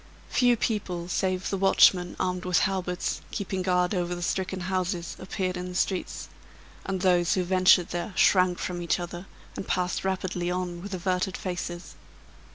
Few people, save the watchmen, armed with halberts, keeping guard over the stricken houses, appeared in the streets; and those who ventured there, shrank from each other, and passed rapidly on with averted faces.